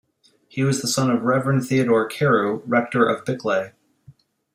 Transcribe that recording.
He was the son of Reverend Theodore Carew, rector of Bickleigh.